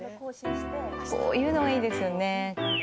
「こういうのがいいですよね」